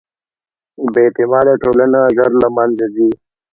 بېاعتماده ټولنه ژر له منځه ځي.